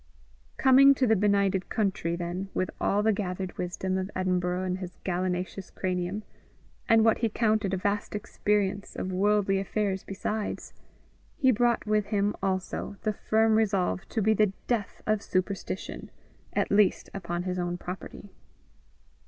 Coming to the benighted country, then, with all the gathered wisdom of Edinburgh in his gallinaceous cranium, and what he counted a vast experience of worldly affairs besides, he brought with him also the firm resolve to be the death of superstition, at least upon his own property.